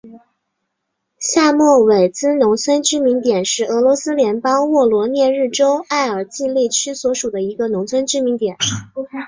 萨莫韦茨农村居民点是俄罗斯联邦沃罗涅日州埃尔季利区所属的一个农村居民点。